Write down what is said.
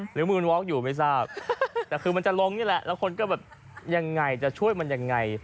หรือมือวอคอยู่ไม่ทราบแต่คือมันจะลงนี่แหละแล้วคนก็แบบยังไงจะช่วยมันยังไง